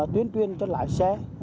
tuyên tuyên cho lái xe